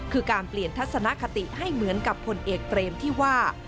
คือการเปลี่ยนทัศนคติให้เหมือนกับผลเอกเปรมที่ว่า